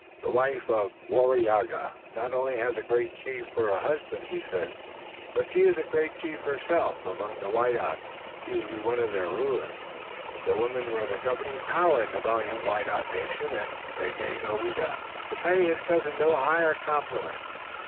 "The wife of Waraiyageh not only has a great chief for a husband," he said, "but she is a great chief herself. Among the Wyandots she would be one of the rulers." The women were the governing power in the valiant Wyandot nation, and Daganoweda could pay his cousin no higher compliment.